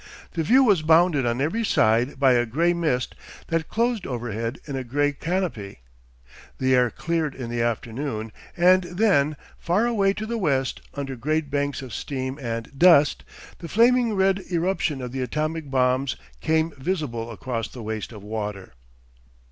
The view was bounded on every side by a gray mist that closed overhead in a gray canopy. The air cleared in the afternoon, and then, far away to the west under great banks of steam and dust, the flaming red eruption of the atomic bombs came visible across the waste of water.